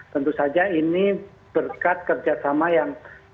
tentu saja ini berkat kerjasama yang